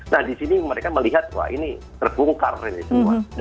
nah disini mereka melihat wah ini terbungkar ini semua